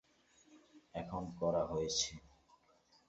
এখন করা হয়েছে।